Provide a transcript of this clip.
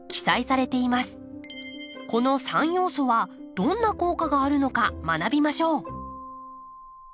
この三要素はどんな効果があるのか学びましょう。